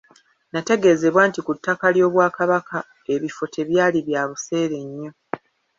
Nategeezebwa nti ku ttaka ly'Obwakabaka ebifo tebyali bya buseere nnyo.